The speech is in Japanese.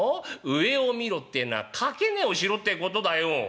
上を見ろってえのは掛値をしろってことだよ」。